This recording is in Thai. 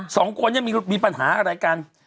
สองกว่ายังมีปัญหากับอะไรกัน